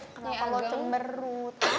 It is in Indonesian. kenapa lo cemerut